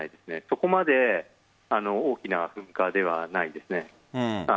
そこまで大きな噴火ではないです。